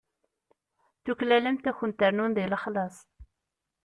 Tuklalemt ad kunt-rnun deg lexlaṣ.